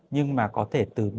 nhưng mà có thể từ ba cho đến năm mm